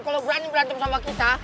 kalau berani berantem sama kita